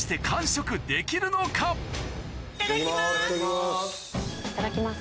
いただきます。